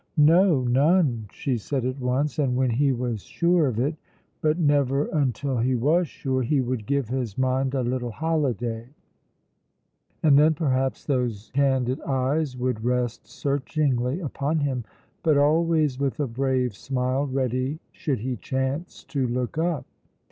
"No, none," she said at once; and when he was sure of it, but never until he was sure, he would give his mind a little holiday; and then, perhaps, those candid eyes would rest searchingly upon him, but always with a brave smile ready should he chance to look up.